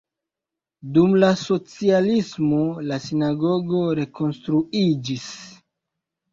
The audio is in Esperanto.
Dum la socialismo la sinagogo rekonstruiĝis.